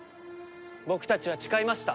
僕たちは誓いました。